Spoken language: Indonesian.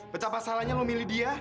betapa salahnya lu milih dia